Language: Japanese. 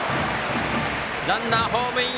ランナー、ホームイン。